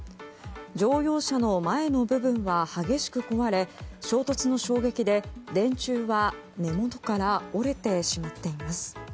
乗用車の前の部分は激しく壊れ衝突の衝撃で電柱は根元から折れてしまっています。